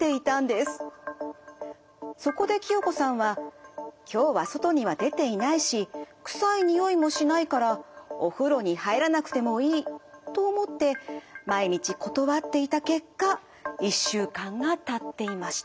そこで清子さんは「今日は外には出ていないし臭いにおいもしないからお風呂に入らなくてもいい」と思って毎日断っていた結果１週間がたっていました。